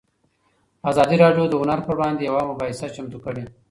ازادي راډیو د هنر پر وړاندې یوه مباحثه چمتو کړې.